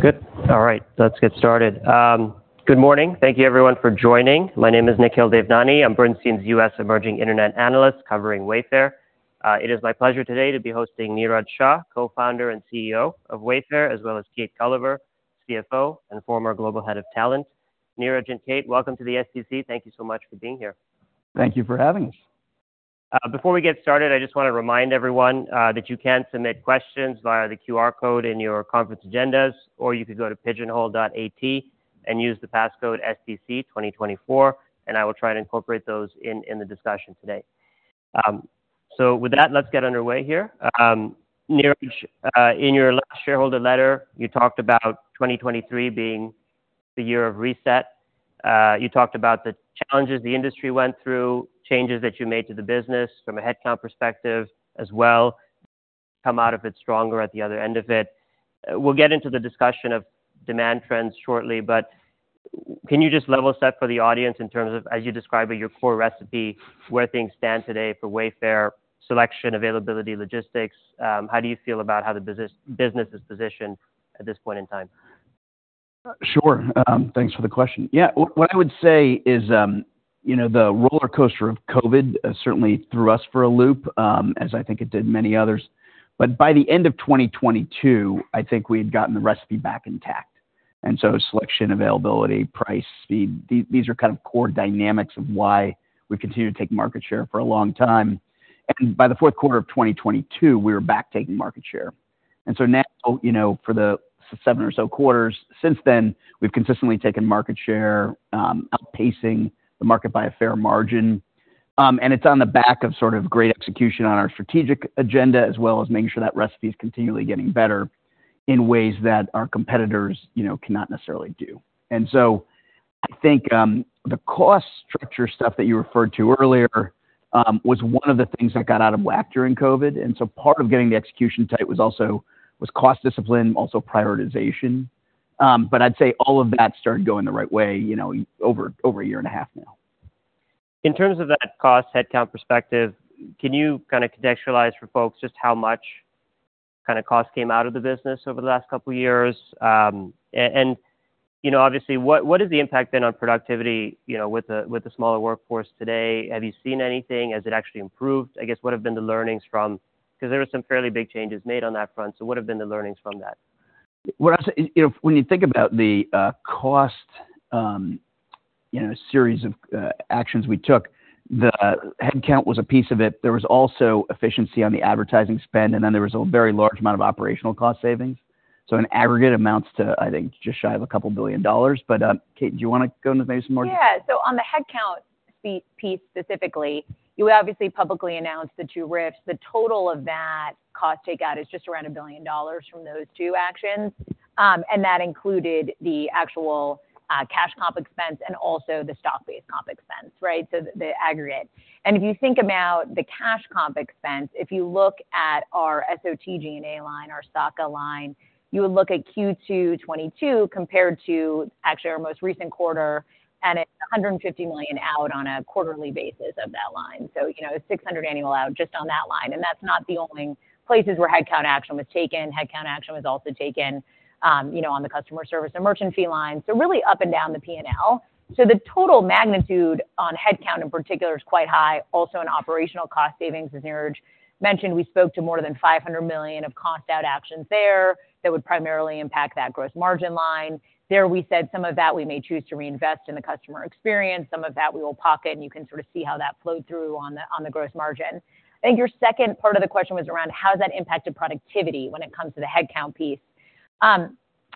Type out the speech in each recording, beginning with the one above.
Good. All right, let's get started. Good morning. Thank you everyone for joining. My name is Nikhil Devnani. I'm Bernstein's U.S. Emerging Internet Analyst, covering Wayfair. It is my pleasure today to be hosting Niraj Shah, Co-founder and CEO of Wayfair, as well as Kate Gulliver, CFO and former Global Head of Talent. Niraj and Kate, welcome to the SDC. Thank you so much for being here. Thank you for having us. Before we get started, I just wanna remind everyone that you can submit questions via the QR code in your conference agendas, or you could go to pigeonhole.at and use the passcode SDC 2024, and I will try to incorporate those in the discussion today. So with that, let's get underway here. Niraj, in your last shareholder letter, you talked about 2023 being the year of reset. You talked about the challenges the industry went through, changes that you made to the business from a headcount perspective as well, come out of it stronger at the other end of it. We'll get into the discussion of demand trends shortly, but can you just level set for the audience in terms of, as you describe it, your core recipe, where things stand today for Wayfair, selection, availability, logistics? How do you feel about how the business is positioned at this point in time? Sure. Thanks for the question. Yeah, what I would say is, you know, the roller coaster of COVID certainly threw us for a loop, as I think it did many others. But by the end of 2022, I think we had gotten the recipe back intact. And so selection, availability, price, speed, these are kind of core dynamics of why we continued to take market share for a long time. And by the fourth quarter of 2022, we were back taking market share. And so now, you know, for the seven or so quarters since then, we've consistently taken market share, outpacing the market by a fair margin. It's on the back of sort of great execution on our strategic agenda, as well as making sure that recipe is continually getting better in ways that our competitors, you know, cannot necessarily do. So I think the cost structure stuff that you referred to earlier was one of the things that got out of whack during COVID, and so part of getting the execution tight was also cost discipline, also prioritization. But I'd say all of that started going the right way, you know, over a year and a half now. In terms of that cost headcount perspective, can you kinda contextualize for folks just how much kinda cost came out of the business over the last couple of years? You know, obviously, what has the impact been on productivity, you know, with the smaller workforce today? Have you seen anything? Has it actually improved? I guess, what have been the learnings from, 'cause there were some fairly big changes made on that front, so what have been the learnings from that? What I'd say, you know, when you think about the cost, you know, series of actions we took, the headcount was a piece of it. There was also efficiency on the advertising spend, and then there was a very large amount of operational cost savings. So in aggregate amounts to, I think, just shy of a couple of billion dollars. But, Kate, do you wanna go into maybe some more? Yeah. So on the headcount piece specifically, you obviously publicly announced the two RIFs. The total of that cost takeout is just around $1 billion from those two actions. And that included the actual cash comp expense and also the stock-based comp expense, right? So the aggregate. And if you think about the cash comp expense, if you look at our SOTG&A line, our SOTG&A line, you would look at Q2 2022 compared to actually our most recent quarter, and it's $150 million out on a quarterly basis of that line. So, you know, it's $600 million annual out just on that line, and that's not the only places where headcount action was taken. Headcount action was also taken, you know, on the customer service and merchant fee line. So really up and down the P&L. So the total magnitude on headcount in particular is quite high. Also, in operational cost savings, as Niraj mentioned, we spoke to more than $500 million of cost out actions there that would primarily impact that gross margin line. There, we said some of that we may choose to reinvest in the customer experience, some of that we will pocket, and you can sort of see how that flowed through on the, on the gross margin. I think your second part of the question was around how has that impacted productivity when it comes to the headcount piece.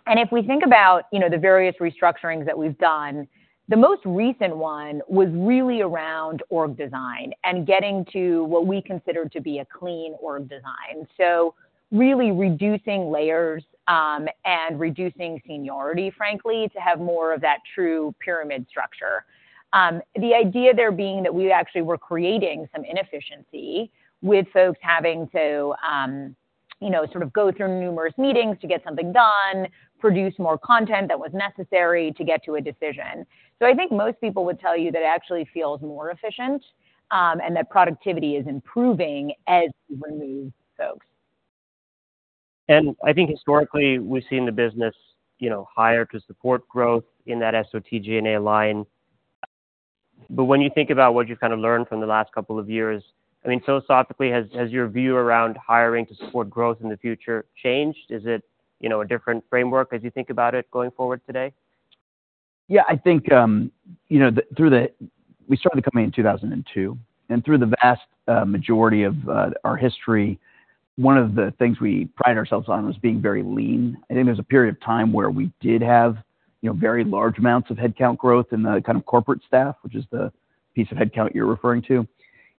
And if we think about, you know, the various restructurings that we've done, the most recent one was really around org design and getting to what we consider to be a clean org design. Really reducing layers, and reducing seniority, frankly, to have more of that true pyramid structure. The idea there being that we actually were creating some inefficiency with folks having to, you know, sort of go through numerous meetings to get something done, produce more content that was necessary to get to a decision. I think most people would tell you that it actually feels more efficient, and that productivity is improving as we remove folks. And I think historically, we've seen the business, you know, hire to support growth in that SOTG&A line. But when you think about what you've kind of learned from the last couple of years, I mean, philosophically, has your view around hiring to support growth in the future changed? Is it, you know, a different framework as you think about it going forward today? Yeah, I think, you know, we started the company in 2002, and through the vast majority of our history, one of the things we prided ourselves on was being very lean. I think there was a period of time where we did have, you know, very large amounts of headcount growth in the kind of corporate staff, which is the piece of headcount you're referring to.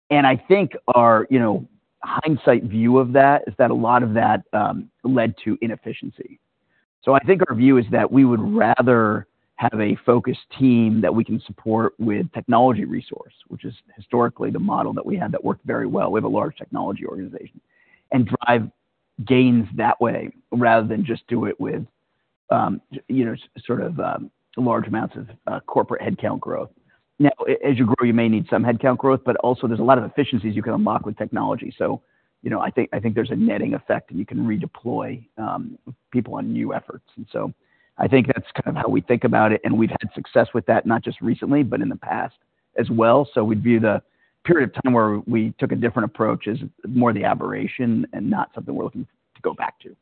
And I think our, you know, hindsight view of that is that a lot of that led to inefficiency. So I think our view is that we would rather have a focused team that we can support with technology resource, which is historically the model that we had that worked very well. We have a large technology organization. And drive gains that way, rather than just do it with, you know, sort of, large amounts of, corporate headcount growth. Now, as you grow, you may need some headcount growth, but also there's a lot of efficiencies you can unlock with technology. So, you know, I think there's a netting effect, and you can redeploy people on new efforts. And so I think that's kind of how we think about it, and we've had success with that, not just recently, but in the past as well. So we'd view the period of time where we took a different approach as more the aberration and not something we're looking to go back to.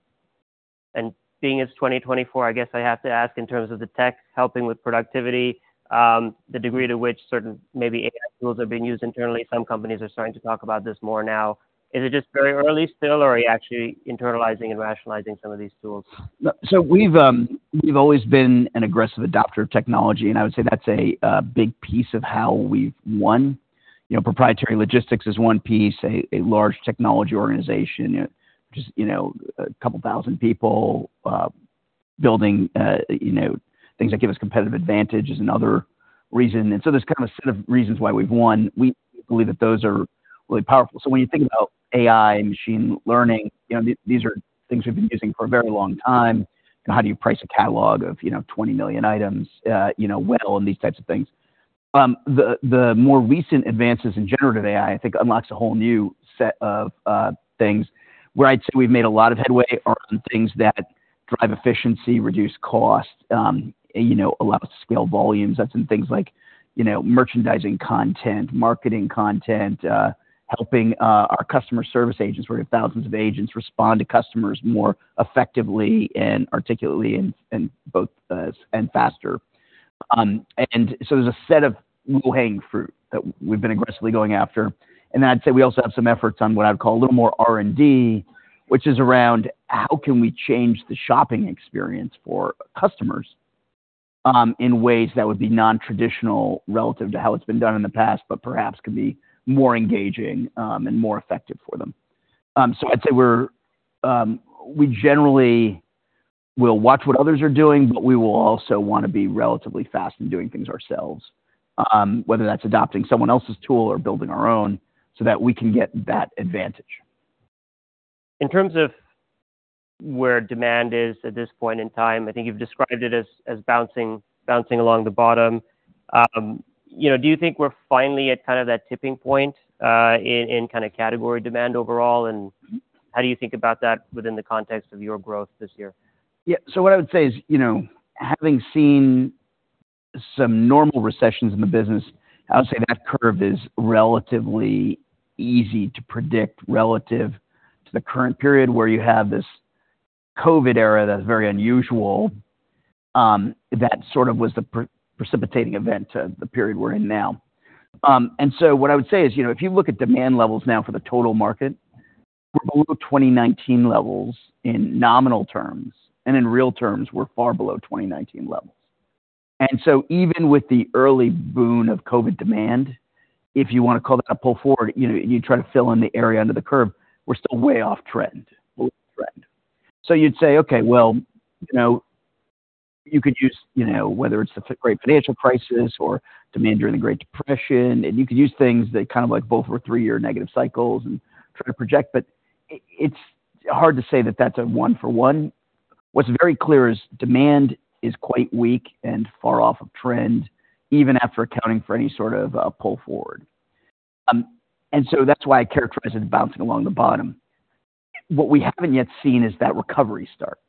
Being it's 2024, I guess I have to ask in terms of the tech helping with productivity, the degree to which certain maybe AI tools are being used internally, some companies are starting to talk about this more now. Is it just very early still, or are you actually internalizing and rationalizing some of these tools? So we've always been an aggressive adopter of technology, and I would say that's a big piece of how we've won. You know, proprietary logistics is one piece, a large technology organization, just, you know, a couple of thousand people, building, you know, things that give us competitive advantage is another reason. And so there's kind of a set of reasons why we've won. We believe that those are really powerful. So when you think about AI and machine learning, you know, these are things we've been using for a very long time, and how do you price a catalog of, you know, 20 million items, you know, well, and these types of things. The more recent advances in generative AI, I think, unlocks a whole new set of things. Where I'd say we've made a lot of headway are on things that drive efficiency, reduce costs, you know, allow us to scale volumes. That's in things like, you know, merchandising content, marketing content, helping, our customer service agents, where thousands of agents respond to customers more effectively and articulately and both, and faster. And so there's a set of low-hanging fruit that we've been aggressively going after. And I'd say we also have some efforts on what I'd call a little more R&D, which is around how can we change the shopping experience for customers, in ways that would be nontraditional relative to how it's been done in the past, but perhaps could be more engaging, and more effective for them. So I'd say we generally will watch what others are doing, but we will also wanna be relatively fast in doing things ourselves, whether that's adopting someone else's tool or building our own so that we can get that advantage. In terms of where demand is at this point in time, I think you've described it as bouncing along the bottom. You know, do you think we're finally at kind of that tipping point in kind of category demand overall, and how do you think about that within the context of your growth this year? Yeah. So what I would say is, you know, having seen some normal recessions in the business, I would say that curve is relatively easy to predict relative to the current period where you have this COVID era that's very unusual, that sort of was the precipitating event to the period we're in now. And so what I would say is, you know, if you look at demand levels now for the total market, we're below 2019 levels in nominal terms, and in real terms, we're far below 2019 levels. And so even with the early boon of COVID demand, if you wanna call that a pull forward, you know, and you try to fill in the area under the curve, we're still way off trend, trend. So you'd say, okay, well, you know, you could use, you know, whether it's the great financial crisis or demand during the Great Depression, and you could use things that kind of like both were three-year negative cycles and try to project, but it's hard to say that that's a one for one. What's very clear is demand is quite weak and far off of trend, even after accounting for any sort of pull forward. And so that's why I characterize it as bouncing along the bottom. What we haven't yet seen is that recovery start.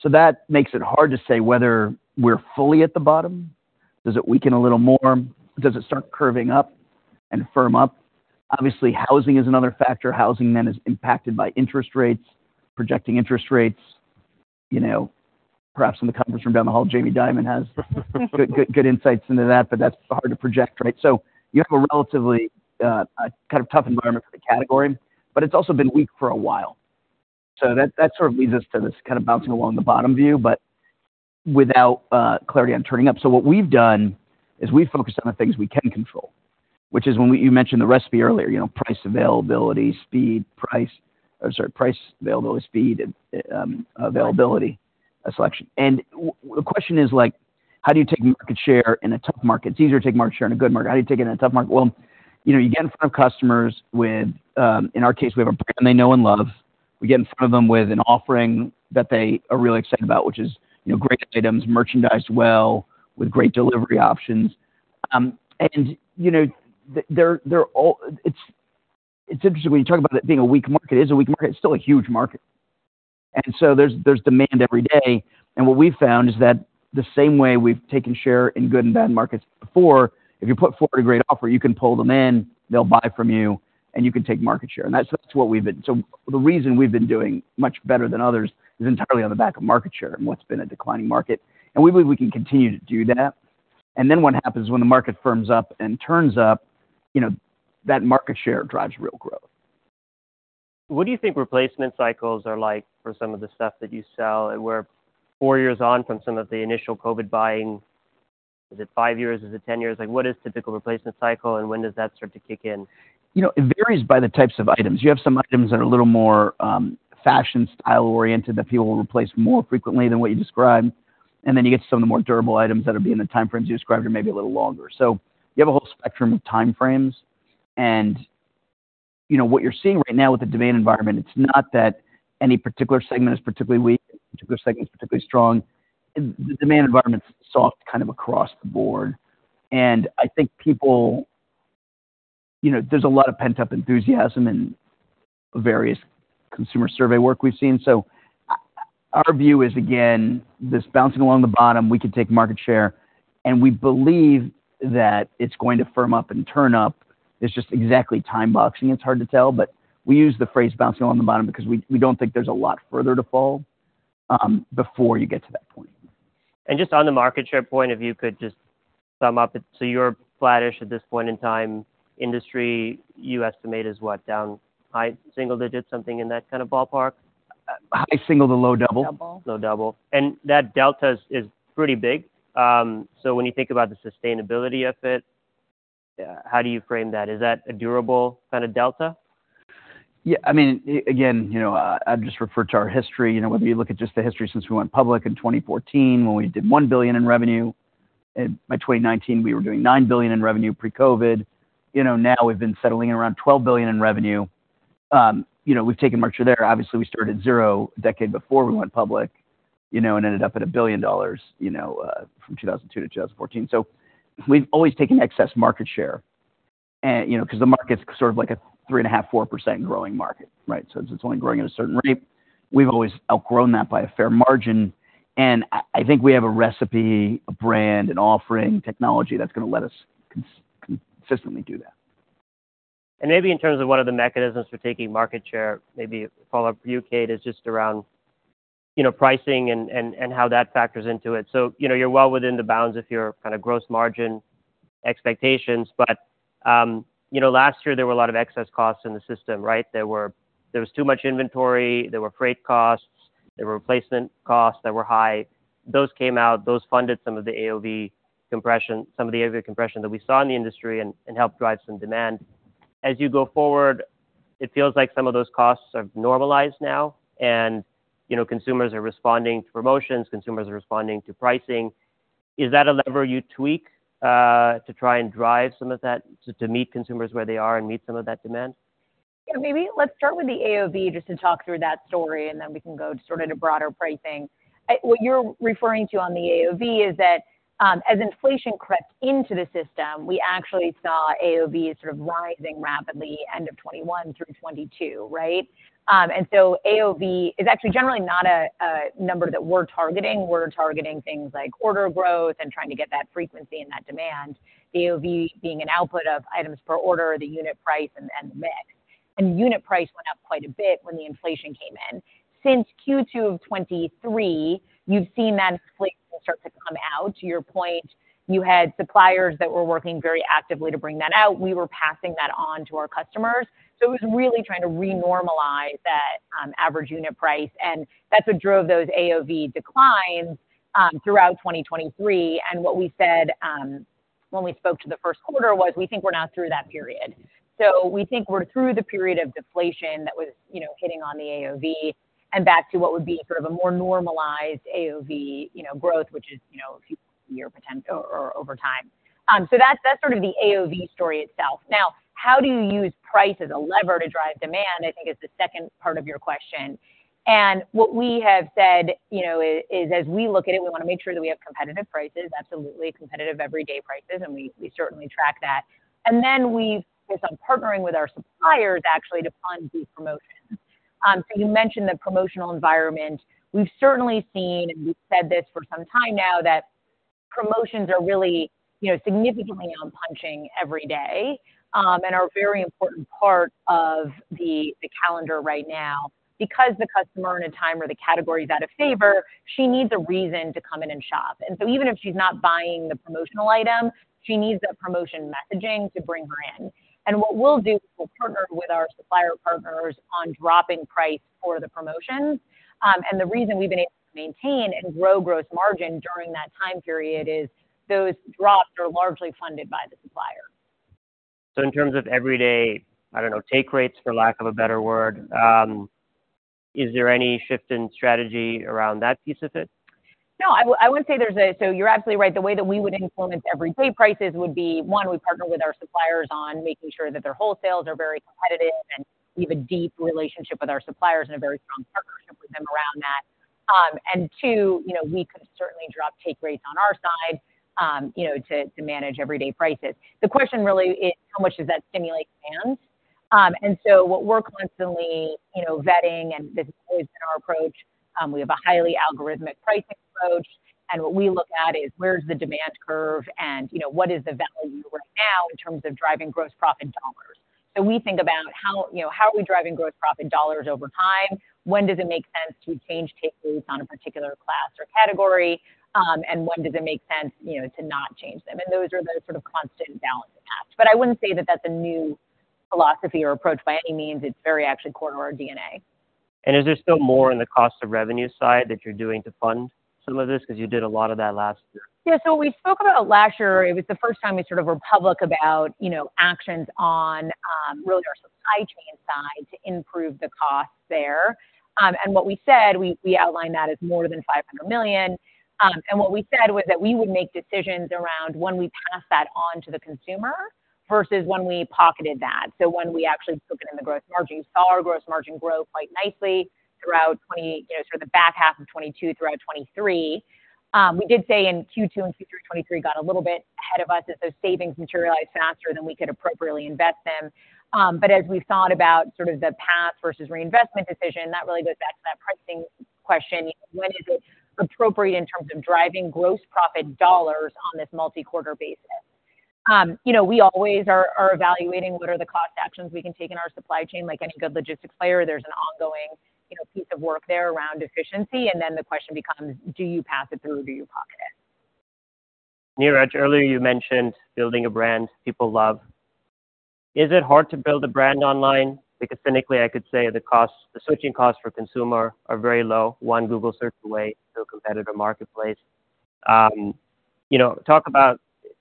So that makes it hard to say whether we're fully at the bottom. Does it weaken a little more? Does it start curving up and firm up? Obviously, housing is another factor. Housing then is impacted by interest rates, projecting interest rates. You know, perhaps in the conference room down the hall, Jamie Dimon has good, good, good insights into that, but that's hard to project, right? So you have a relatively kind of tough environment for the category, but it's also been weak for a while. So that, that sort of leads us to this kind of bouncing along the bottom view, but without clarity on turning up. So what we've done is we've focused on the things we can control, which is you mentioned the recipe earlier, you know, price, availability, speed, price, or sorry, price, availability, speed, availability, selection. And the question is like: How do you take market share in a tough market? It's easier to take market share in a good market. How do you take it in a tough market? Well, you know, you get in front of customers with. In our case, we have a brand they know and love. We get in front of them with an offering that they are really excited about, which is, you know, great items, merchandised well, with great delivery options. And, you know, it's interesting when you talk about it being a weak market. It is a weak market. It's still a huge market, and so there's demand every day. And what we've found is that the same way we've taken share in good and bad markets before, if you put forward a great offer, you can pull them in, they'll buy from you, and you can take market share. And that's what we've been. So the reason we've been doing much better than others is entirely on the back of market share and what's been a declining market, and we believe we can continue to do that. And then what happens is, when the market firms up and turns up, you know, that market share drives real growth. What do you think replacement cycles are like for some of the stuff that you sell? We're four years on from some of the initial COVID buying. Is it five years? Is it 10 years? Like, what is typical replacement cycle, and when does that start to kick in? You know, it varies by the types of items. You have some items that are a little more, fashion, style-oriented, that people will replace more frequently than what you described, and then you get some of the more durable items that'll be in the time frames you described or maybe a little longer. So you have a whole spectrum of time frames, and you know, what you're seeing right now with the demand environment, it's not that any particular segment is particularly weak, particular segment is particularly strong. The demand environment's soft kind of across the board, and I think people, you know, there's a lot of pent-up enthusiasm in various consumer survey work we've seen. So our view is, again, this bouncing along the bottom, we could take market share, and we believe that it's going to firm up and turn up. It's just exactly time boxing. It's hard to tell, but we use the phrase bouncing on the bottom because we don't think there's a lot further to fall before you get to that point. Just on the market share point, if you could just sum up. So you're flattish at this point in time. Industry, you estimate, is what? Down high single digits, something in that kind of ballpark? High single to low double. Double. Low double. And that delta is pretty big. So when you think about the sustainability of it, how do you frame that? Is that a durable kind of delta? Yeah, I mean, again, you know, I'd just refer to our history. You know, whether you look at just the history since we went public in 2014, when we did $1 billion in revenue, and by 2019, we were doing $9 billion in revenue pre-COVID. You know, now we've been settling around $12 billion in revenue. You know, we've taken market share there. Obviously, we started at zero a decade before we went public, you know, and ended up at $1 billion, you know, from 2002 to 2014. So we've always taken excess market share. And, you know, because the market's sort of like a 3.5%-4% growing market, right? So it's only growing at a certain rate. We've always outgrown that by a fair margin, and I think we have a recipe, a brand, an offering, technology that's gonna let us consistently do that. And maybe in terms of one of the mechanisms for taking market share, maybe a follow-up for you, Kate, is just around, you know, pricing and how that factors into it. So, you know, you're well within the bounds of your kind of gross margin expectations, but, you know, last year there were a lot of excess costs in the system, right? There was too much inventory, there were freight costs, there were replacement costs that were high. Those came out, those funded some of the AOV compression, some of the AOV compression that we saw in the industry and helped drive some demand. As you go forward, it feels like some of those costs have normalized now, and, you know, consumers are responding to promotions, consumers are responding to pricing. Is that a lever you tweak, to try and drive some of that, to meet consumers where they are and meet some of that demand? Yeah, maybe let's start with the AOV, just to talk through that story, and then we can go to sort of the broader pricing. What you're referring to on the AOV is that, as inflation crept into the system, we actually saw AOV sort of rising rapidly, end of 2021 through 2022, right? And so AOV is actually generally not a number that we're targeting. We're targeting things like order growth and trying to get that frequency and that demand, the AOV being an output of items per order, the unit price and the mix. And unit price went up quite a bit when the inflation came in. Since Q2 of 2023, you've seen that inflation start to come out. To your point, you had suppliers that were working very actively to bring that out. We were passing that on to our customers. So it was really trying to renormalize that, average unit price, and that's what drove those AOV declines throughout 2023. And what we said, when we spoke to the first quarter was, we think we're now through that period. So we think we're through the period of deflation that was, you know, hitting on the AOV and back to what would be sort of a more normalized AOV, you know, growth, which is, you know, a few year or over time. So that's, that's sort of the AOV story itself. Now, how do you use price as a lever to drive demand? I think is the second part of your question. What we have said, you know, is as we look at it, we want to make sure that we have competitive prices, absolutely competitive everyday prices, and we certainly track that. And then we focus on partnering with our suppliers, actually, to fund these promotions. So you mentioned the promotional environment. We've certainly seen, and we've said this for some time now, that promotions are really, you know, significantly outpunching every day, and are a very important part of the calendar right now. Because the customer in a time where the category is out of favor, she needs a reason to come in and shop. And so even if she's not buying the promotional item, she needs a promotion messaging to bring her in. And what we'll do is we'll partner with our supplier partners on dropping price for the promotions. The reason we've been able to maintain and grow gross margin during that time period is those drops are largely funded by the supplier. In terms of everyday, I don't know, take rates, for lack of a better word, is there any shift in strategy around that piece of it? No, I would say there's, so you're absolutely right. The way that we would implement every day prices would be, one, we partner with our suppliers on making sure that their wholesale prices are very competitive, and we have a deep relationship with our suppliers and a very strong partnership with them around that. And two, you know, we could certainly drop take rates on our side, you know, to manage everyday prices. The question really is how much does that stimulate demand. And so what we're constantly, you know, vetting, and this has been our approach, we have a highly algorithmic pricing approach, and what we look at is, where's the demand curve, and, you know, what is the value right now in terms of driving gross profit dollars. So we think about, you know, how are we driving gross profit dollars over time? When does it make sense to change take rates on a particular class or category? And when does it make sense, you know, to not change them? And those are the sort of constant balancing acts. But I wouldn't say that that's a new philosophy or approach by any means. It's very actually core to our DNA. Is there still more in the cost of revenue side that you're doing to fund some of this? Because you did a lot of that last year. Yeah, so we spoke about it last year. It was the first time we sort of were public about, you know, actions on, really our supply chain side to improve the costs there. And what we said, we, we outlined that as more than $500 million. And what we said was that we would make decisions around when we pass that on to the consumer versus when we pocketed that. So when we actually took it in the gross margin, you saw our gross margin grow quite nicely throughout 2020, you know, sort of the back half of 2022 throughout 2023. We did say in Q2 and Q3 2023 got a little bit ahead of us as those savings materialized faster than we could appropriately invest them. But as we thought about sort of the path versus reinvestment decision, that really goes back to that pricing question. When is it appropriate in terms of driving gross profit dollars on this multi-quarter basis? You know, we always are evaluating what are the cost actions we can take in our supply chain. Like any good logistics player, there's an ongoing, you know, piece of work there around efficiency, and then the question becomes: Do you pass it through or do you pocket it? Niraj, earlier you mentioned building a brand people love. Is it hard to build a brand online? Because cynically, I could say the costs, the switching costs for consumer are very low. One Google search away to a competitor marketplace. You know, talk about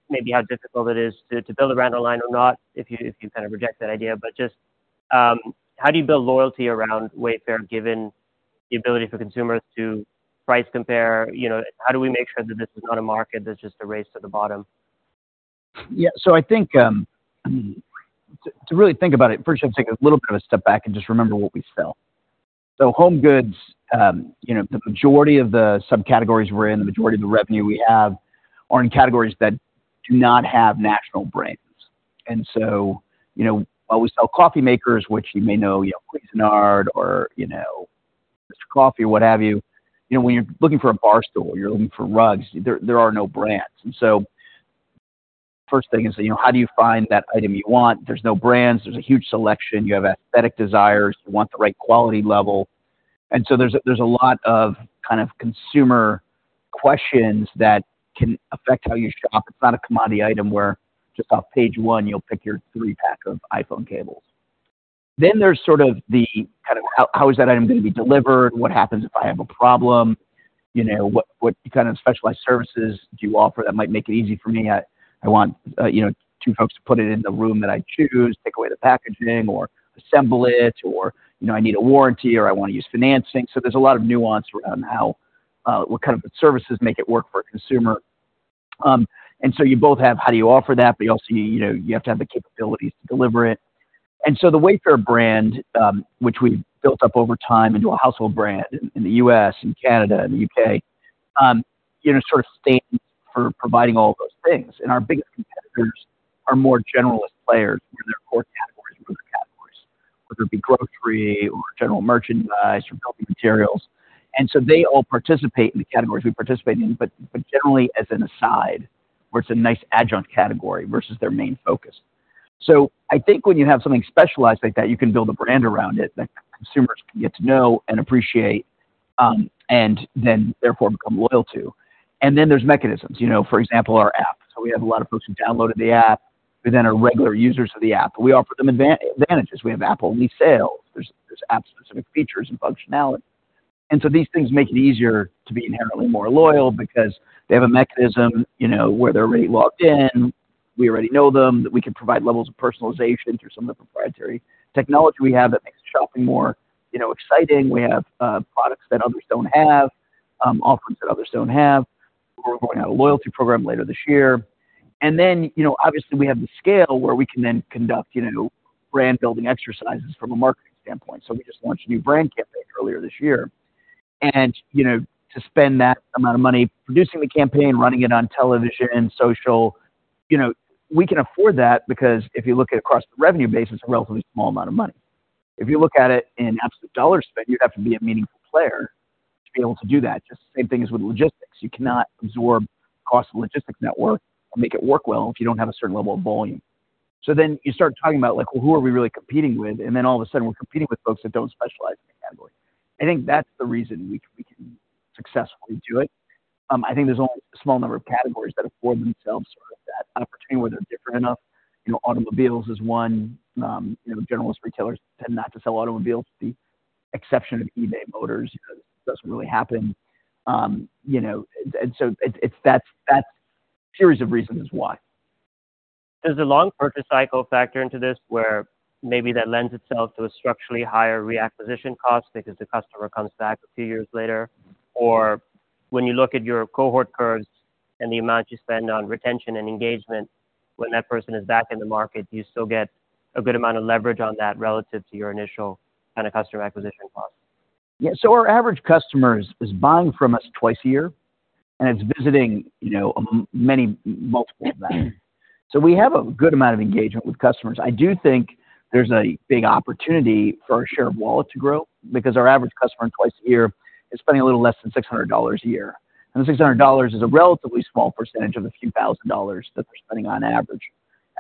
maybe how difficult it is to build a brand online or not, if you kind of reject that idea. But just, how do you build loyalty around Wayfair, given the ability for consumers to price compare? You know, how do we make sure that this is not a market that's just a race to the bottom? Yeah. So I think, to really think about it, first, you have to take a little bit of a step back and just remember what we sell. So home goods, you know, the majority of the subcategories we're in, the majority of the revenue we have are in categories that do not have national brands. And so, you know, while we sell coffee makers, which you may know, you know, Cuisinart or, you know, Mr. Coffee or what have you, you know, when you're looking for a bar stool, you're looking for rugs, there are no brands. And so first thing is, you know, how do you find that item you want? There's no brands, there's a huge selection. You have aesthetic desires. You want the right quality level. And so there's a lot of kind of consumer questions that can affect how you shop. It's not a commodity item where just on page one, you'll pick your three pack of iPhone cables. Then there's sort of the kind of how is that item gonna be delivered? What happens if I have a problem? You know, what kind of specialized services do you offer that might make it easy for me? I want, you know, two folks to put it in the room that I choose, take away the packaging or assemble it, or, you know, I need a warranty, or I want to use financing. So there's a lot of nuance around how, what kind of services make it work for a consumer. And so you both have how do you offer that, but you also, you know, you have to have the capabilities to deliver it. And so the Wayfair brand, which we've built up over time into a household brand in the U.S. and Canada and the U.K., you know, sort of stands for providing all of those things. And our biggest competitors are more generalist players where their core categories are different categories, whether it be grocery or general merchandise or building materials. And so they all participate in the categories we participate in, but generally as an aside, where it's a nice adjunct category versus their main focus. So I think when you have something specialized like that, you can build a brand around it, that consumers can get to know and appreciate, and then therefore become loyal to. And then there are mechanisms, you know, for example, our app. So we have a lot of folks who downloaded the app, who then are regular users of the app. We offer them advantages. We have app-only sales. There are app-specific features and functionality. And so these things make it easier to be inherently more loyal because they have a mechanism, you know, where they're already logged in. We already know them, that we can provide levels of personalization through some of the proprietary technology we have that makes shopping more, you know, exciting. We have products that others don't have, offerings that others don't have. We're going to have a loyalty program later this year. And then, you know, obviously, we have the scale where we can then conduct, you know, brand building exercises from a marketing standpoint. So we just launched a new brand campaign earlier this year, and, you know, to spend that amount of money producing the campaign, running it on television and social, you know, we can afford that because if you look at it across the revenue base, it's a relatively small amount of money. If you look at it in absolute dollar spend, you'd have to be a meaningful player to be able to do that. Just the same thing as with logistics. You cannot absorb cost of logistics network or make it work well if you don't have a certain level of volume. So then you start talking about, like, well, who are we really competing with. And then all of a sudden, we're competing with folks that don't specialize in the category. I think that's the reason we can, we can successfully do it. I think there's only a small number of categories that afford themselves sort of that opportunity where they're different enough. You know, automobiles is one. You know, generalist retailers tend not to sell automobiles, with the exception of eBay Motors, you know, doesn't really happen. You know, and so it's... That's, that's a series of reasons why. Does the long purchase cycle factor into this, where maybe that lends itself to a structurally higher reacquisition cost because the customer comes back a few years later? Or when you look at your cohort curves and the amount you spend on retention and engagement, when that person is back in the market, do you still get a good amount of leverage on that relative to your initial kind of customer acquisition cost? Yeah. So our average customer is buying from us twice a year, and it's visiting, you know, many, multiple times. So we have a good amount of engagement with customers. I do think there's a big opportunity for our share of wallet to grow because our average customer twice a year is spending a little less than $600 a year. And the $600 is a relatively small percentage of the few thousand dollars that they're spending on average.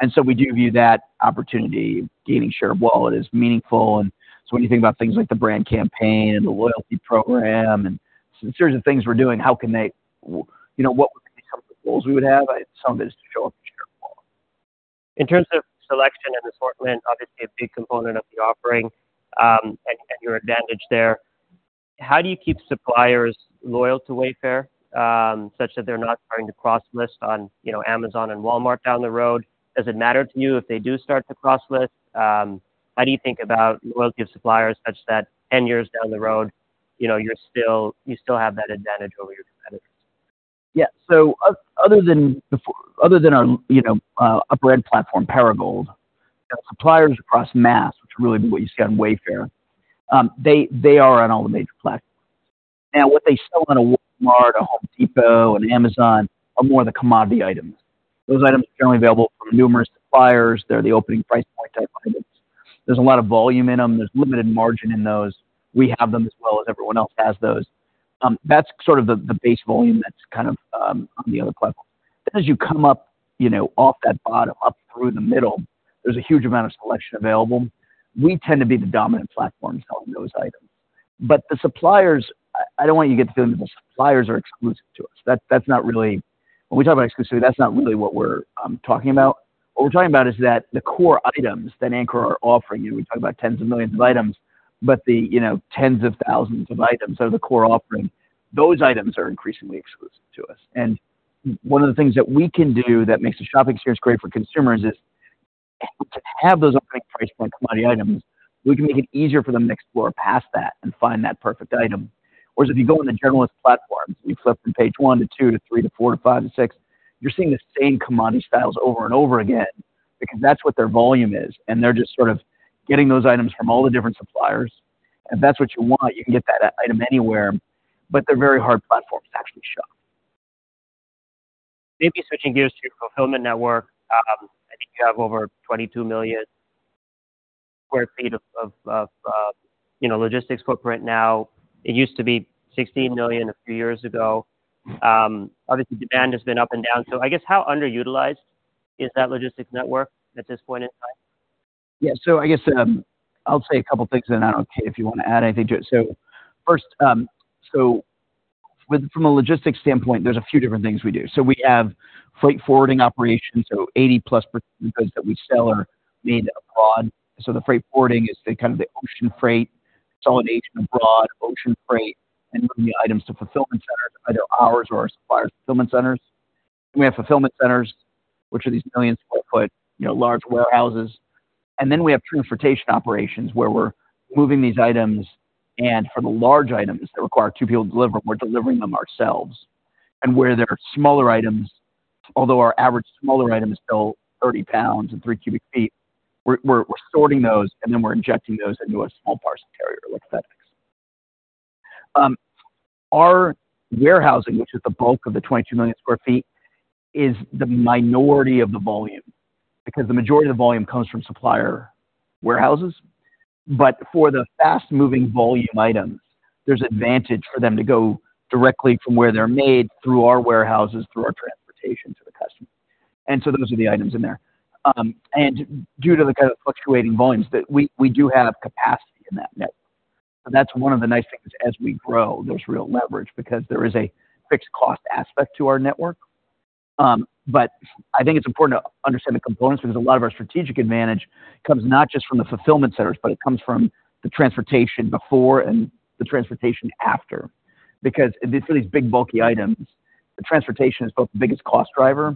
And so we do view that opportunity, gaining share of wallet, as meaningful. And so when you think about things like the brand campaign and the loyalty program and some series of things we're doing, how can they, you know, what would be some of the goals we would have? I think some is to show up the share of wallet. In terms of selection and assortment, obviously a big component of the offering, and your advantage there. How do you keep suppliers loyal to Wayfair, such that they're not starting to cross-list on, you know, Amazon and Walmart down the road? Does it matter to you if they do start to cross-list? How do you think about loyalty of suppliers, such that 10 years down the road, you know, you still have that advantage over your competitors? Yeah, so other than our, you know, upper end platform, Perigold, you know, suppliers across mass, which is really what you see on Wayfair, they, they are on all the major platforms. Now, what they sell on a Walmart, a Home Depot, an Amazon, are more the commodity items. Those items are generally available from numerous suppliers. They're the opening price point type items. There's a lot of volume in them. There's limited margin in those. We have them as well as everyone else has those. That's sort of the base volume that's kind of, on the other platform. Then as you come up, you know, off that bottom, up through the middle, there's a huge amount of selection available. We tend to be the dominant platform selling those items. But the suppliers, I don't want you to get the feeling that the suppliers are exclusive to us. That's not really, when we talk about exclusivity, that's not really what we're talking about. What we're talking about is that the core items that Anchor are offering you, we talk about tens of millions of items, but the, you know, tens of thousands of items are the core offering. Those items are increasingly exclusive to us. And one of the things that we can do that makes the shopping experience great for consumers is to have those opening price point commodity items, we can make it easier for them to explore past that and find that perfect item. Whereas if you go on the generalist platforms, you flip from page one to two to three to four to five to six, you're seeing the same commodity styles over and over again, because that's what their volume is, and they're just sort of getting those items from all the different suppliers. If that's what you want, you can get that item anywhere, but they're very hard platforms to actually shop. Maybe switching gears to your fulfillment network. I think you have over 22 million sq ft of, you know, logistics footprint now. It used to be 16 million sq ft a few years ago. Obviously, demand has been up and down. So I guess, how underutilized is that logistics network at this point in time? Yeah. So I guess, I'll say a couple things, and then, I don't know, Kate, if you want to add anything to it. So first, from a logistics standpoint, there's a few different things we do. So we have freight forwarding operations, so 80%+ of goods that we sell are made abroad. So the freight forwarding is the kind of the ocean freight, consolidation abroad, ocean freight, and moving the items to fulfillment centers, either ours or our supplier's fulfillment centers. We have fulfillment centers, which are these 1 million sq ft, you know, large warehouses. And then we have transportation operations, where we're moving these items, and for the large items that require two people to deliver them, we're delivering them ourselves. Where there are smaller items, although our average smaller item is still 30 lbs and 3 cu ft, we're sorting those, and then we're injecting those into a small parcel carrier, like FedEx. Our warehousing, which is the bulk of the 22 million sq ft, is the minority of the volume, because the majority of the volume comes from supplier warehouses. But for the fast-moving volume items, there's advantage for them to go directly from where they're made, through our warehouses, through our transportation, to the customer. And so those are the items in there. Due to the kind of fluctuating volumes, we do have capacity in that network, and that's one of the nice things. As we grow, there's real leverage because there is a fixed cost aspect to our network. But I think it's important to understand the components, because a lot of our strategic advantage comes not just from the fulfillment centers, but it comes from the transportation before and the transportation after. Because these are these big, bulky items, the transportation is both the biggest cost driver,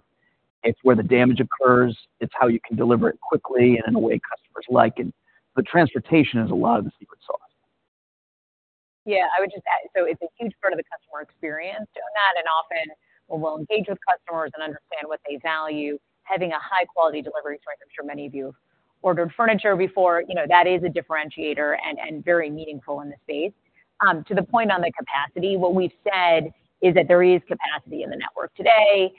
it's where the damage occurs, it's how you can deliver it quickly and in a way customers like it. The transportation is a lot of the secret sauce. Yeah, I would just add, so it's a huge part of the customer experience doing that, and often when we'll engage with customers and understand what they value, having a high-quality delivery experience, I'm sure many of you have ordered furniture before, you know, that is a differentiator and very meaningful in the space. To the point on the capacity, what we've said is that there is capacity in the network today.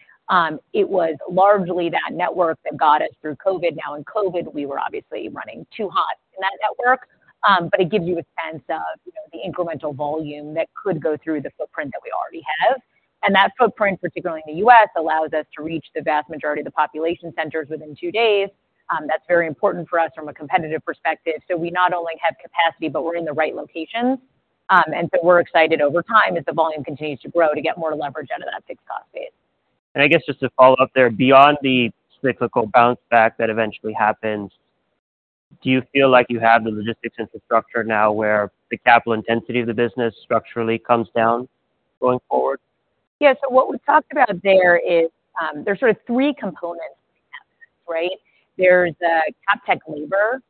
It was largely that network that got us through COVID. Now, in COVID, we were obviously running too hot in that network. But it gives you a sense of, you know, the incremental volume that could go through the footprint that we already have. And that footprint, particularly in the U.S., allows us to reach the vast majority of the population centers within two days. That's very important for us from a competitive perspective. So we not only have capacity, but we're in the right locations. And so we're excited over time, as the volume continues to grow, to get more leverage out of that fixed cost base. I guess just to follow up there, beyond the cyclical bounce back that eventually happens, do you feel like you have the logistics infrastructure now where the capital intensity of the business structurally comes down going forward? Yeah, so what we've talked about there is there are sort of three components to the network, right? There's the CapEx labor,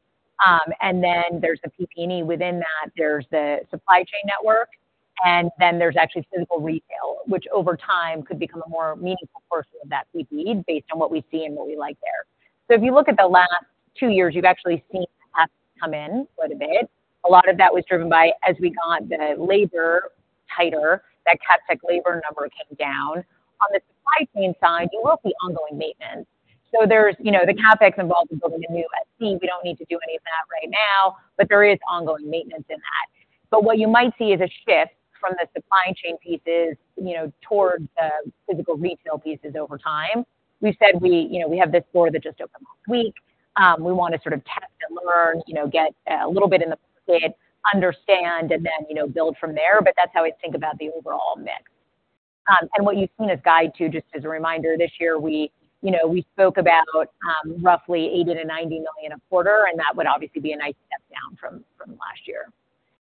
and then there's the PP&E within that, there's the supply chain network, and then there's actually physical retail, which over time could become a more meaningful portion of that PP&E, based on what we see and what we like there. So if you look at the last two years, you've actually seen us come in quite a bit. A lot of that was driven by, as we got the labor tighter, that CapEx labor number came down. On the supply chain side, you will see ongoing maintenance. So there's, you know, the CapEx involved in building a new SC, we don't need to do any of that right now, but there is ongoing maintenance in that. But what you might see is a shift from the supply chain pieces, you know, towards the physical retail pieces over time. We've said, you know, we have this store that just opened last week. We want to sort of test and learn, you know, get a little bit in the pit, understand, and then, you know, build from there. But that's how I think about the overall mix. And what you've seen us guide to, just as a reminder, this year, we, you know, we spoke about roughly $80 million-$90 million a quarter, and that would obviously be a nice step down from last year.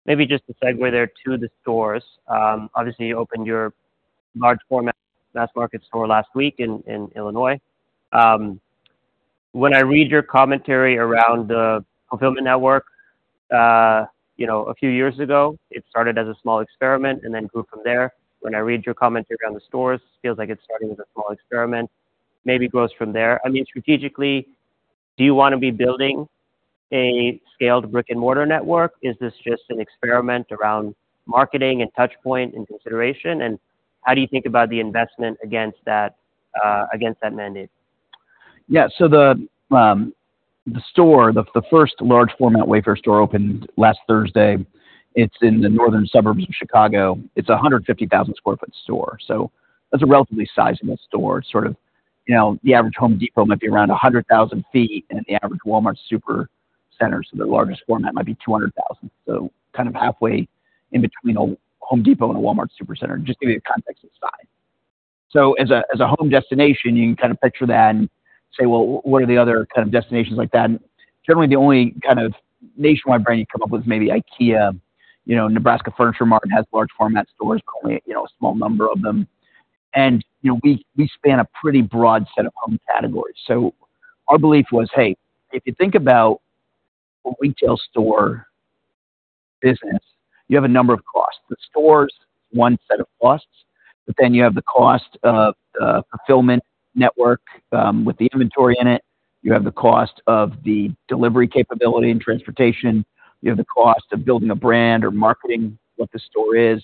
Maybe just to segue there to the stores. Obviously, you opened your large format mass market store last week in Illinois. When I read your commentary around the fulfillment network, you know, a few years ago, it started as a small experiment and then grew from there. When I read your commentary around the stores, it feels like it's starting as a small experiment, maybe grows from there. I mean, strategically, do you wanna be building a scaled brick-and-mortar network? Is this just an experiment around marketing and touchpoint and consideration? And how do you think about the investment against that mandate? Yeah. So the store, the first large format Wayfair store opened last Thursday. It's in the northern suburbs of Chicago. It's a 150,000 sq ft store, so that's a relatively sizable store. Sort of, you know, the average Home Depot might be around a 100,000 sq ft, and the average Walmart Supercenter, so the largest format, might be 200,000. So kind of halfway in between a Home Depot and a Walmart Supercenter, just giving you context of the size. So as a home destination, you can kind of picture that and say, well, what are the other kind of destinations like that? Generally, the only kind of nationwide brand you come up with, maybe IKEA, you know, Nebraska Furniture Mart has large format stores, only, you know, a small number of them. And, you know, we span a pretty broad set of home categories. So our belief was, hey, if you think about a retail store business, you have a number of costs. The store's one set of costs, but then you have the cost of fulfillment network with the inventory in it. You have the cost of the delivery capability and transportation. You have the cost of building a brand or marketing what the store is.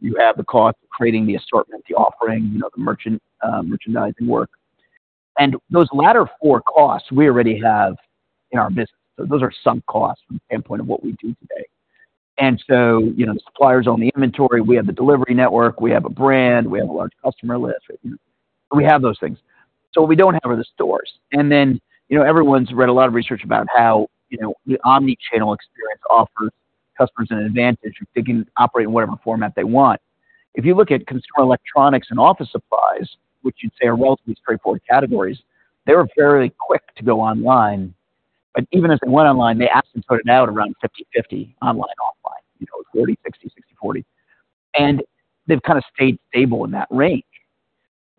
You have the cost of creating the assortment, the offering, you know, the merchant merchandising work. And those latter four costs, we already have in our business. Those are sunk costs from the standpoint of what we do today. And so, you know, suppliers own the inventory, we have the delivery network, we have a brand, we have a large customer list. We have those things. So what we don't have are the stores. Then, you know, everyone's read a lot of research about how, you know, the omni-channel experience offers customers an advantage of they can operate in whatever format they want. If you look at consumer electronics and office supplies, which you'd say are relatively straightforward categories, they were very quick to go online. But even as they went online, they actually put it now at around 50/50, online/offline, you know, 40/60, 60/40. And they've kind of stayed stable in that range.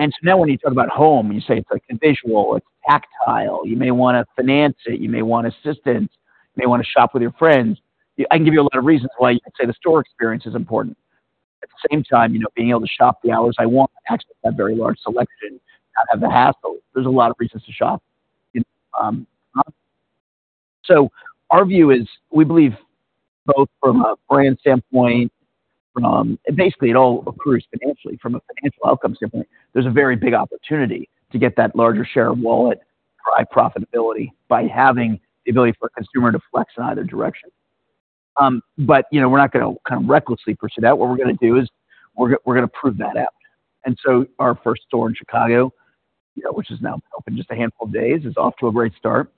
So now when you talk about home, you say it's like visual, it's tactile. You may wanna finance it, you may want assistance, you may wanna shop with your friends. I can give you a lot of reasons why you could say the store experience is important. At the same time, you know, being able to shop the hours I want, access that very large selection, not have the hassle. There's a lot of reasons to shop in. So our view is, we believe both from a brand standpoint, basically, it all accrues financially. From a financial outcome standpoint, there's a very big opportunity to get that larger share of wallet, high profitability, by having the ability for a consumer to flex in either direction. But, you know, we're not gonna kind of recklessly pursue that. What we're gonna do is, we're gonna prove that out. And so our first store in Chicago, you know, which has now been open just a handful of days, is off to a great start.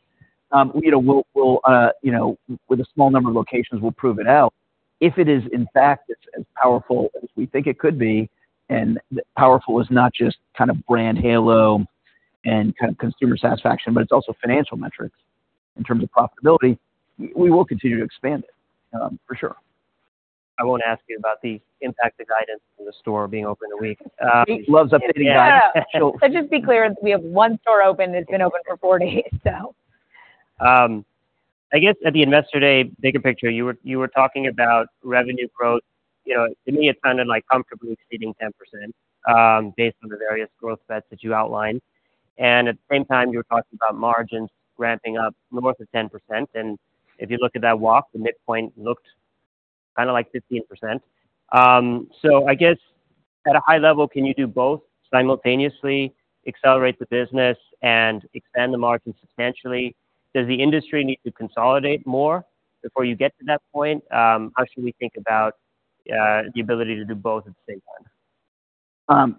You know, we'll, we'll, you know, with a small number of locations, we'll prove it out. If it is, in fact, it's as powerful as we think it could be, and powerful is not just kind of brand halo and kind of consumer satisfaction, but it's also financial metrics in terms of profitability, we will continue to expand it, for sure. I won't ask you about the impact of guidance in the store being open a week. Kate loves updating guidance. Yeah. Just be clear, we have one store open, it's been open for four days, so. I guess at the Investor Day bigger picture, you were, you were talking about revenue growth. You know, to me, it sounded like comfortably exceeding 10%, based on the various growth sets that you outlined. And at the same time, you were talking about margins ramping up more than 10%. And if you look at that walk, the midpoint looked kind of like 15%. So I guess at a high level, can you do both simultaneously accelerate the business and expand the margin substantially? Does the industry need to consolidate more before you get to that point? How should we think about the ability to do both at the same time?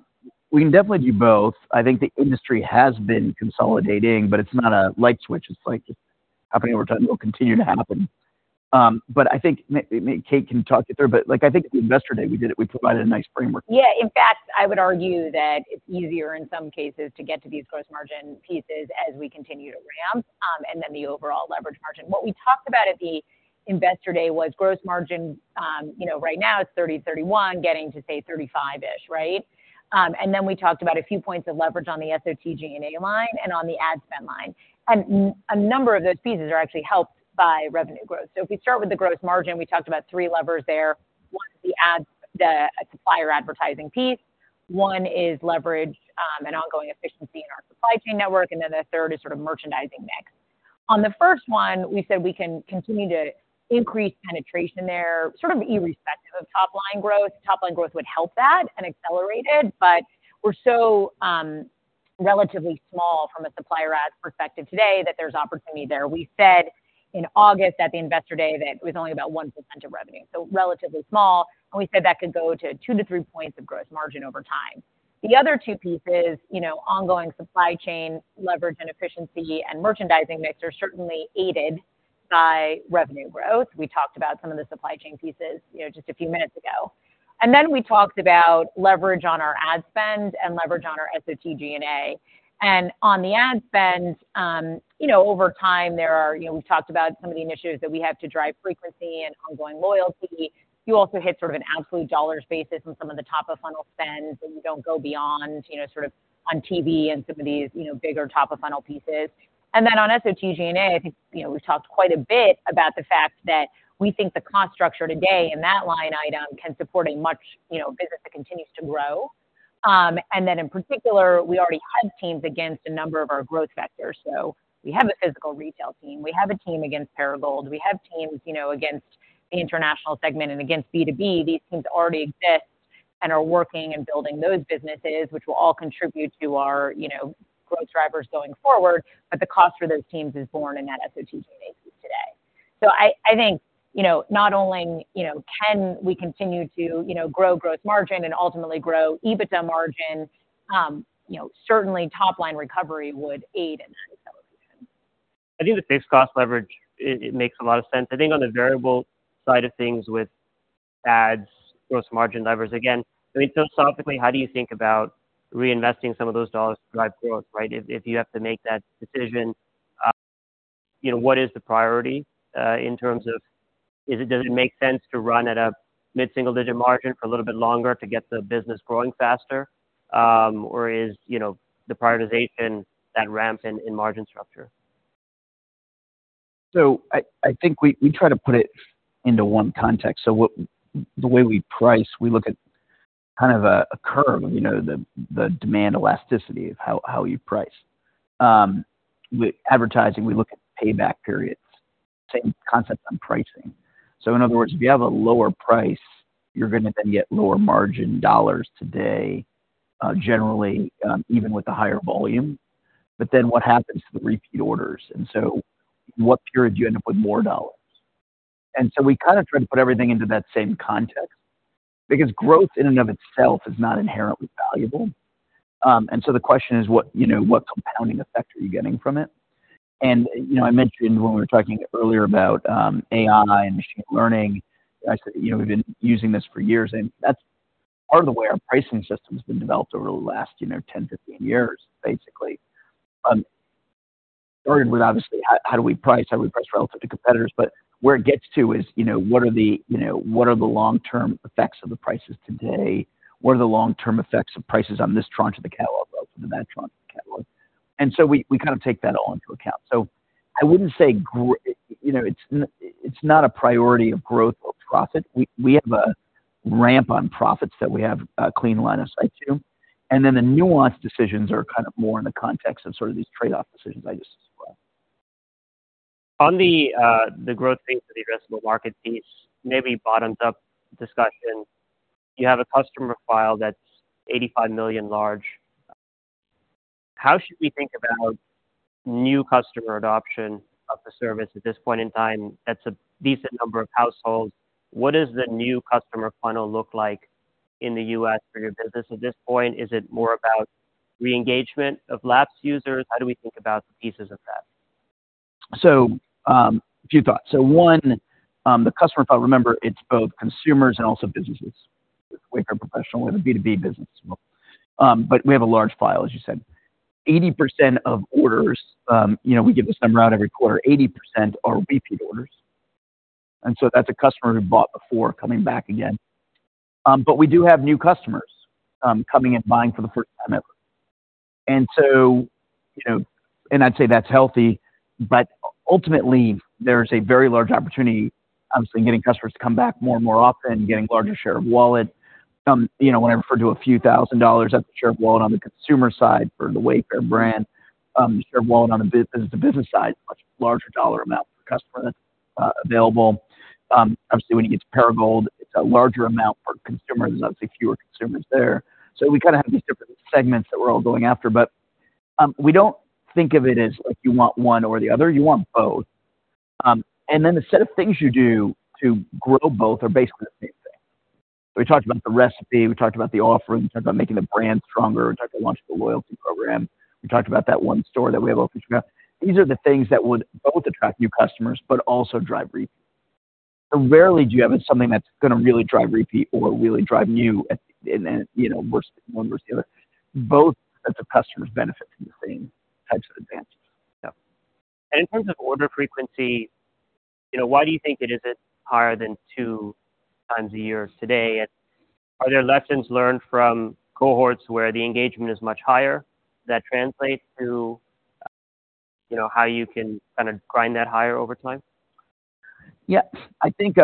We can definitely do both. I think the industry has been consolidating, but it's not a light switch. It's like it's happening over time, it will continue to happen. But I think Kate can talk you through, but like, I think Investor Day, we did it. We provided a nice framework. Yeah, in fact, I would argue that it's easier in some cases to get to these gross margin pieces as we continue to ramp, and then the overall leverage margin. What we talked about at the Investor Day was gross margin. You know, right now it's 30%-31%, getting to, say, 35%-ish, right? And then we talked about a few points of leverage on the SOTG&A line and on the ad spend line. A number of those pieces are actually helped by revenue growth. So if we start with the gross margin, we talked about three levers there. One, the ad supplier advertising piece. One is leverage, and ongoing efficiency in our supply chain network, and then the third is sort of merchandising mix. On the first one, we said we can continue to increase penetration there, sort of irrespective of top-line growth. Top line growth would help that and accelerate it, but we're so relatively small from a supplier ad perspective today, that there's opportunity there. We said in August at the Investor Day, that it was only about 1% of revenue, so relatively small, and we said that could go to 2 points-3 points gross margin over time. The other two pieces, you know, ongoing supply chain leverage and efficiency and merchandising mix, are certainly aided by revenue growth. We talked about some of the supply chain pieces, you know, just a few minutes ago. And then we talked about leverage on our ad spend and leverage on our SOTG&A. On the ad spend, you know, over time, there are, you know, we talked about some of the initiatives that we have to drive frequency and ongoing loyalty. You also hit sort of an absolute dollar basis on some of the top of funnel spends, and you don't go beyond, you know, sort of on TV and some of these, you know, bigger top of funnel pieces. Then on SOTG&A, I think, you know, we've talked quite a bit about the fact that we think the cost structure today in that line item can support a much, you know, business that continues to grow. Then in particular, we already have teams against a number of our growth vectors. So we have a physical retail team, we have a team against Perigold, we have teams, you know, against the international segment and against B2B. These teams already exist and are working and building those businesses, which will all contribute to our, you know, growth drivers going forward. But the cost for those teams is borne in that SOTG&A piece today. So I, I think, you know, not only, you know, can we continue to, you know, grow gross margin and ultimately grow EBITDA margin, you know, certainly top line recovery would aid in that acceleration. I think the fixed cost leverage. It makes a lot of sense. I think on the variable side of things with ads, Gross Margin levers, again, I mean, philosophically, how do you think about reinvesting some of those dollars to drive growth, right? If you have to make that decision, you know, what is the priority in terms of does it make sense to run at a mid-single-digit margin for a little bit longer to get the business growing faster, or is, you know, the prioritization that ramps in margin structure? So I think we try to put it into one context. So what, the way we price, we look at kind of a curve, you know, the demand elasticity of how you price. With advertising, we look at payback periods, same concept on pricing. So in other words, if you have a lower price, you're going to then get lower margin dollars today, generally, even with the higher volume. But then what happens to the repeat orders? And so what period do you end up with more dollars? And so we kind of try to put everything into that same context, because growth in and of itself is not inherently valuable. And so the question is, you know, what compounding effect are you getting from it? You know, I mentioned when we were talking earlier about AI and machine learning. I said, you know, we've been using this for years, and that's part of the way our pricing system has been developed over the last, you know, 10, 15 years, basically. Started with, obviously, how do we price, how do we price relative to competitors? But where it gets to is, you know, what are the long-term effects of the prices today? What are the long-term effects of prices on this tranche of the catalog relative to that tranche of the catalog? And so we kind of take that all into account. So I wouldn't say, you know, it's not a priority of growth or profit. We have a ramp on profits that we have a clean line of sight to, and then the nuance decisions are kind of more in the context of sort of these trade-off decisions I just described. On the growth thing for the addressable market piece, maybe bottom-up discussion. You have a customer file that's 85 million large. How should we think about new customer adoption of the service at this point in time? That's a decent number of households. What does the new customer funnel look like in the U.S. for your business at this point? Is it more about re-engagement of lapsed users? How do we think about the pieces of that? A few thoughts. One, the customer file, remember, it's both consumers and also businesses. Wayfair Professional, we have a B2B business as well. But we have a large file, as you said. 80% of orders, you know, we give this number out every quarter, 80% are repeat orders, and so that's a customer who bought before coming back again. But we do have new customers, coming and buying for the first time ever. And so, you know, and I'd say that's healthy, but ultimately, there's a very large opportunity, obviously, in getting customers to come back more and more often, getting larger share of wallet. You know, when I refer to a few thousand dollars, that's a share of wallet on the consumer side for the Wayfair brand. The share of wallet on the business side is a much larger dollar amount per customer that's available. Obviously, when you get to Perigold, it's a larger amount per consumer. There's obviously fewer consumers there. So we kind of have these different segments that we're all going after. But we don't think of it as if you want one or the other, you want both. And then the set of things you do to grow both are basically the same thing. We talked about the recipe, we talked about the offering, we talked about making the brand stronger, we talked about launching the loyalty program, we talked about that one store that we have open. These are the things that would both attract new customers but also drive repeat. So rarely do you have something that's going to really drive repeat or really drive new and then, you know, worse, one worse the other. Both of the customers benefit from the same types of advances. Yeah. And in terms of order frequency, you know, why do you think it isn't higher than two times a year today? And are there lessons learned from cohorts where the engagement is much higher that translate to, you know, how you can kind of grind that higher over time? Yeah, I think,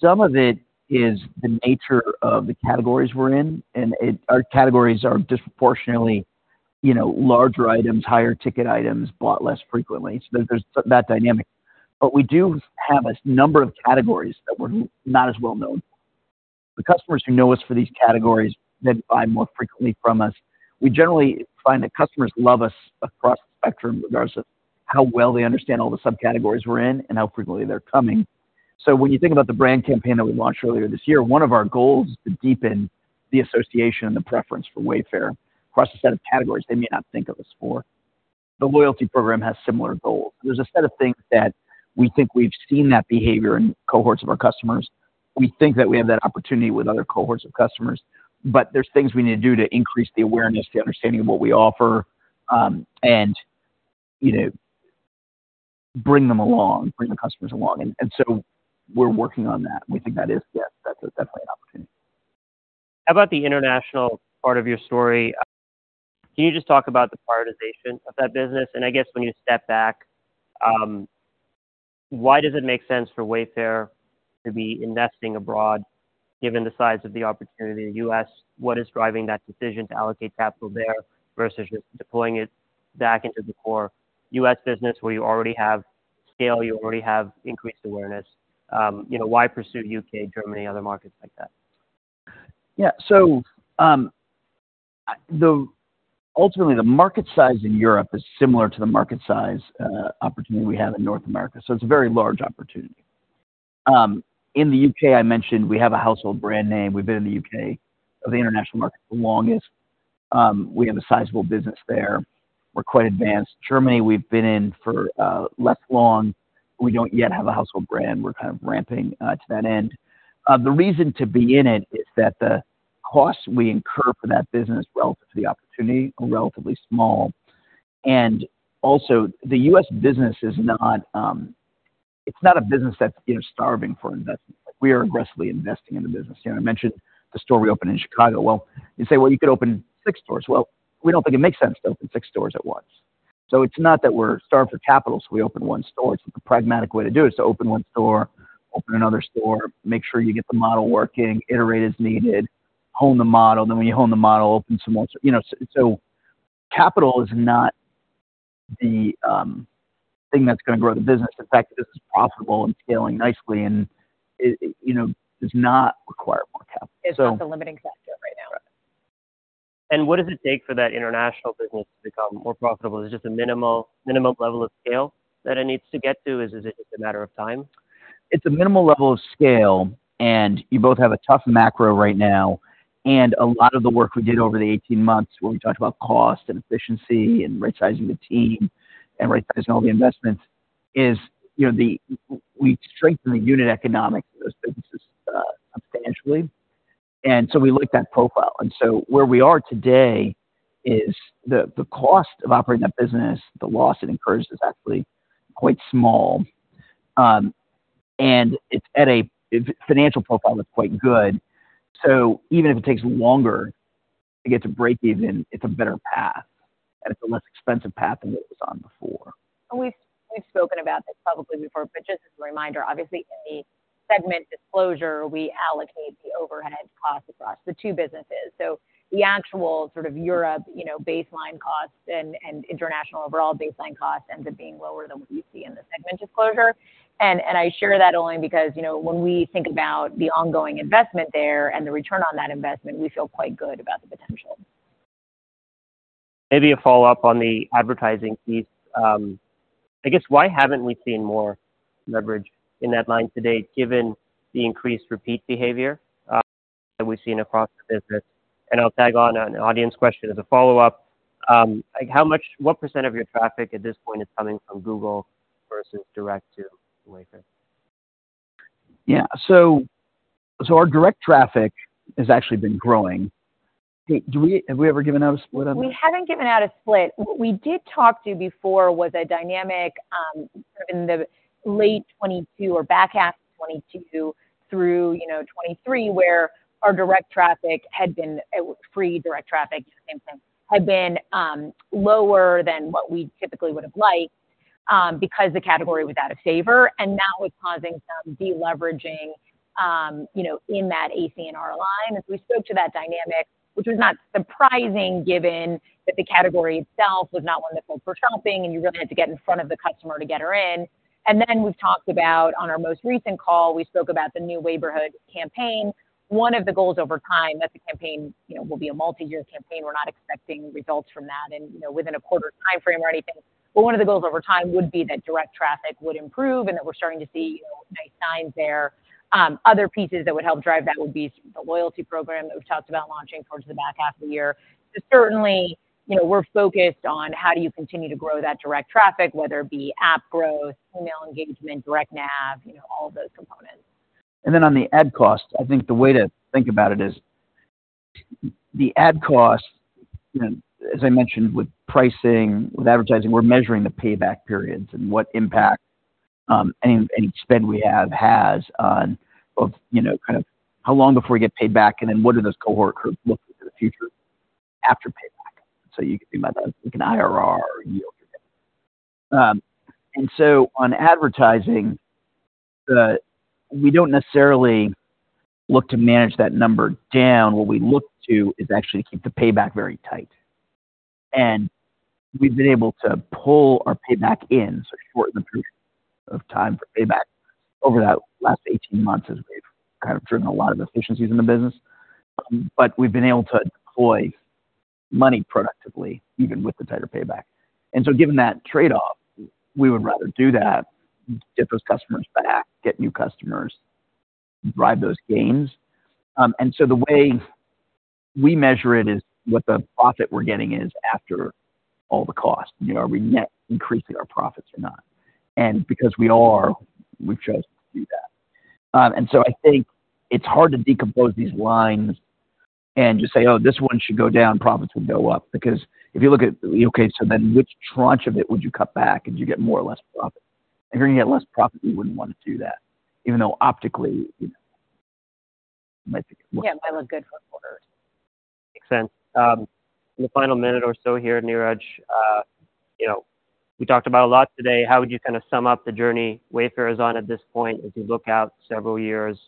some of it is the nature of the categories we're in, and it, our categories are disproportionately, you know, larger items, higher ticket items, bought less frequently. So there's that dynamic. But we do have a number of categories that we're not as well known. The customers who know us for these categories then buy more frequently from us. We generally find that customers love us across the spectrum, regardless of how well they understand all the subcategories we're in and how frequently they're coming. So when you think about the brand campaign that we launched earlier this year, one of our goals is to deepen the association and the preference for Wayfair across a set of categories they may not think of us for. The loyalty program has similar goals. There's a set of things that we think we've seen that behavior in cohorts of our customers. We think that we have that opportunity with other cohorts of customers, but there's things we need to do to increase the awareness, the understanding of what we offer, and, you know, bring them along, bring the customers along. And so we're working on that. We think that is, yeah, that's definitely an opportunity. How about the international part of your story? Can you just talk about the prioritization of that business? And I guess when you step back, why does it make sense for Wayfair to be investing abroad, given the size of the opportunity in the U.S.? What is driving that decision to allocate capital there versus just deploying it back into the core U.S. business, where you already have scale, you already have increased awareness? You know, why pursue U.K., Germany, other markets like that? Yeah. So, ultimately, the market size in Europe is similar to the market size, opportunity we have in North America, so it's a very large opportunity. In the UK, I mentioned we have a household brand name. We've been in the U.K., of the international market, the longest. We have a sizable business there. We're quite advanced. Germany, we've been in for, less long. We don't yet have a household brand. We're kind of ramping to that end. The reason to be in it is that the costs we incur for that business relative to the opportunity are relatively small. And also, the US business is not, it's not a business that's, you know, starving for investment. We are aggressively investing in the business. You know, I mentioned the store we opened in Chicago. Well, you say, well, you could open six stores. Well, we don't think it makes sense to open six stores at once. So it's not that we're starved for capital, so we open one store. It's the pragmatic way to do it, is to open one store, open another store, make sure you get the model working, iterate as needed, hone the model, then when you hone the model, open some more. You know, so capital is not the thing that's gonna grow the business. In fact, the business is profitable and scaling nicely, and it, you know, does not require more capital. It's not the limiting factor right now. Right. What does it take for that international business to become more profitable? Is it just a minimal, minimum level of scale that it needs to get to? Is it just a matter of time? It's a minimal level of scale, and you both have a tough macro right now, and a lot of the work we did over the 18 months, where we talked about cost and efficiency and rightsizing the team and rightsizing all the investments, is, you know, we strengthened the unit economics of those businesses substantially. And so we like that profile. And so where we are today is the cost of operating that business, the loss it incurs, is actually quite small. And it's at a viable financial profile looks quite good. So even if it takes longer to get to breakeven, it's a better path, and it's a less expensive path than it was before. And we've spoken about this publicly before, but just as a reminder, obviously, in the segment disclosure, we allocate the overhead costs across the two businesses. So the actual sort of Europe, you know, baseline costs and international overall baseline costs ends up being lower than what you see in the segment disclosure. And I share that only because, you know, when we think about the ongoing investment there and the return on that investment, we feel quite good about the potential. Maybe a follow-up on the advertising piece. I guess, why haven't we seen more leverage in that line to date, given the increased repeat behavior that we've seen across the business? And I'll tag on an audience question as a follow-up. Like, what percent of your traffic at this point is coming from Google versus direct to Wayfair? Yeah. So, so our direct traffic has actually been growing. Have we ever given out a split on this? We haven't given out a split. What we did talk to before was a dynamic, sort of in the late 2022 or back half of 2022, through, you know, 2023, where our direct traffic had been, free direct traffic, same thing, had been, lower than what we typically would have liked, because the category was out of favor, and that was causing some deleveraging, you know, in that ACNR line. As we spoke to that dynamic, which was not surprising, given that the category itself was not one that called for shopping, and you really had to get in front of the customer to get her in. And then we've talked about, on our most recent call, we spoke about the new neighborhood campaign. One of the goals over time, that the campaign, you know, will be a multi-year campaign. We're not expecting results from that and, you know, within a quarter timeframe or anything. But one of the goals over time would be that direct traffic would improve, and that we're starting to see, you know, nice signs there. Other pieces that would help drive that would be the loyalty program that we've talked about launching towards the back half of the year. So certainly, you know, we're focused on how do you continue to grow that direct traffic, whether it be app growth, email engagement, direct nav, you know, all of those components. And then on the ad costs, I think the way to think about it is, the ad costs, you know, as I mentioned, with pricing, with advertising, we're measuring the payback periods and what impact any spend we have has on both, you know, kind of how long before we get paid back, and then what are those cohort groups look for the future after payback. So you can think about that, like an IRR yield. And so on advertising, we don't necessarily look to manage that number down. What we look to is actually keep the payback very tight. And we've been able to pull our payback in, so shorten the period of time for payback over that last 18 months, as we've kind of driven a lot of efficiencies in the business. But we've been able to deploy money productively, even with the tighter payback. And so given that trade-off, we would rather do that, get those customers back, get new customers, drive those gains. And so we measure it as what the profit we're getting is after all the cost. You know, are we net increasing our profits or not? And because we are, we've chose to do that. And so I think it's hard to decompose these lines and just say, oh, this one should go down, profits will go up. Because if you look at okay, so then which tranche of it would you cut back, and do you get more or less profit? If you're gonna get less profit, you wouldn't wanna do that, even though optically, you know, it might be. Yeah, it might look good for a quarter. Makes sense. In the final minute or so here, Niraj, you know, we talked about a lot today. How would you kind of sum up the journey Wayfair is on at this point, as you look out several years?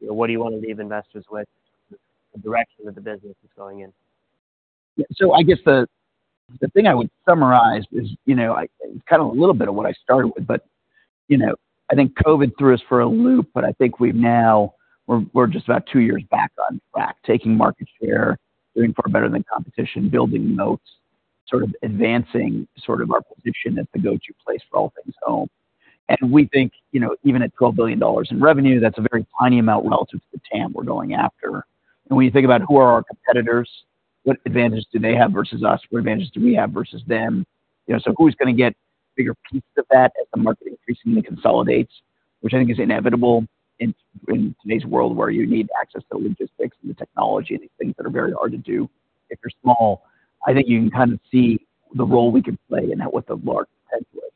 What do you wanna leave investors with, the direction that the business is going in? So I guess the thing I would summarize is, you know, kind of a little bit of what I started with, but, you know, I think COVID threw us for a loop, but I think we've now, we're, we're just about two years back on track, taking market share, doing far better than competition, building moats, sort of advancing sort of our position as the go-to place for all things home. And we think, you know, even at $12 billion in revenue, that's a very tiny amount relative to the TAM we're going after. And when you think about who are our competitors, what advantage do they have versus us? What advantage do we have versus them? You know, so who's gonna get bigger pieces of that as the market increasingly consolidates, which I think is inevitable in today's world, where you need access to the logistics and the technology and these things that are very hard to do if you're small. I think you can kind of see the role we could play in that with a large headway.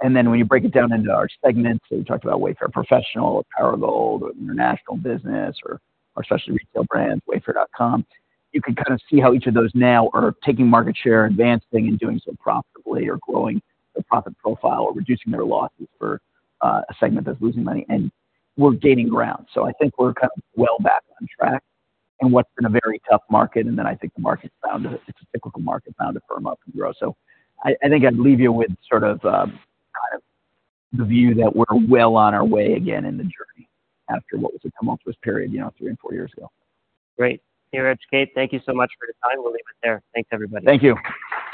And then when you break it down into our segments, so we talked about Wayfair Professional, Perigold, or international business or our specialty retail brand, Wayfair.com, you can kind of see how each of those now are taking market share, advancing, and doing so profitably, or growing the profit profile or reducing their losses for a segment that's losing money, and we're gaining ground. So I think we're kind of well back on track in what's been a very tough market, and then I think the market's bound to. It's a cyclical market, bound to firm up and grow. So I think I'd leave you with sort of, kind of the view that we're well on our way again in the journey after what was a tumultuous period, you know, three and four years ago. Great. Niraj, Kate, thank you so much for your time. We'll leave it there. Thanks, everybody. Thank you.